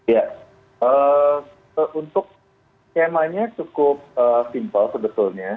ya untuk tma nya cukup simple sebetulnya